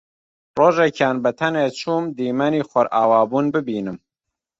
ڕۆژێکیان بەتەنێ چووم دیمەنی خۆرئاوابوون ببینم